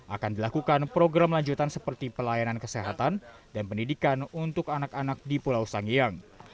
akan dilakukan program lanjutan seperti pelayanan kesehatan dan pendidikan untuk anak anak di pulau sangiyang